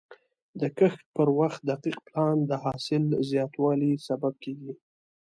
د کښت پر وخت دقیق پلان د حاصل زیاتوالي سبب کېږي.